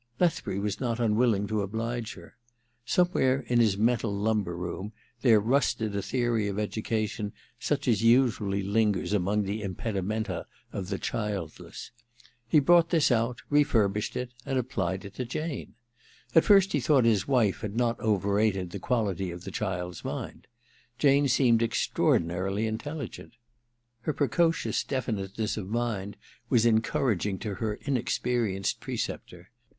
Lethbury was not unwilling to oblige her. Somewhere in his mental lumber room there rusted a theory of education such as usually lingers among the impedimenta of the childless. He brought this out, refurbished it, and applied IV THE MISSION OF JANE 179 it to Jane. At first he thought his wife had not overrated the quality of the child's mind. Jane seemed extraordinarily intelligent. Her precocious definiteness of mind was encouraging to her inexperienced preceptor.